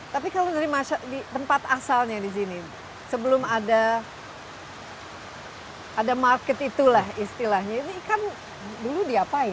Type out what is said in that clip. tapi kalau dari tempat asalnya di sini sebelum ada market itulah istilahnya ini kan dulu diapain